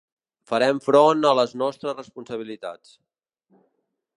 Farem front a les nostres responsabilitats.